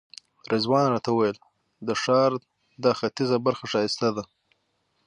رضوان راته وویل د ښار دا ختیځه برخه ښایسته ده.